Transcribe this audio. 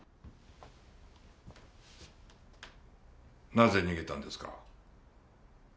なぜ逃げたんですか？